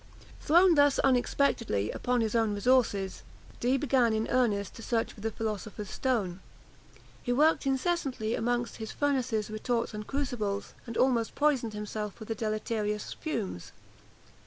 Thrown thus unexpectedly upon his own resources, Dee began in earnest the search for the philosopher's stone. He worked incessantly among his furnaces, retorts, and crucibles, and almost poisoned himself with deleterious fumes.